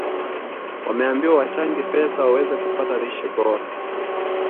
Wameambiwa wachange pesa waweze kupata lishe bora